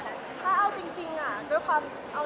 เราทำงานตรงนี้ไม่อยากมีข่าว